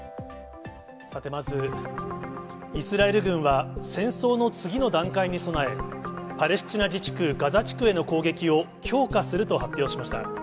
さて、まず、イスラエル軍は戦争の次の段階に備え、パレスチナ自治区ガザ地区への攻撃を強化すると発表しました。